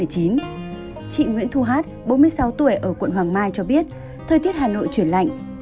chị nguyễn thu hát bốn mươi sáu tuổi ở quận hoàng mai cho biết thời tiết hà nội chuyển lạnh